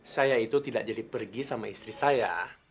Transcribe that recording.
saya itu tidak jadi pergi sama istri saya